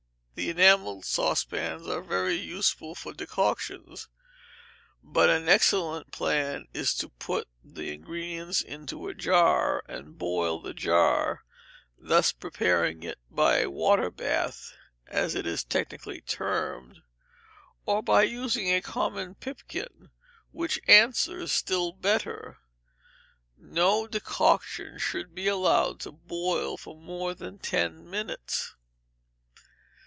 The enamelled saucepans are very useful for decoctions, but an excellent plan is to put the ingredients into a jar and boil the jar, thus preparing it by a water bath, as it is technically termed; or by using a common pipkin, which answers still better. No decoction should be allowed to boil for more than ten minutes.